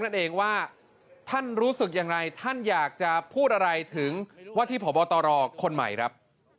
นั่นเองว่าท่านรู้สึกยังไงท่านอยากจะพูดอะไรถึงว่าที่พบตรคนใหม่ครับ